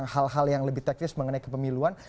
hal hal yang lebih teknis mengenai kepemiluan